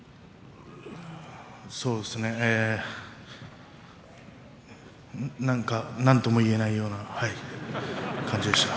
そうですねなんか、なんとも言えないような感じでした。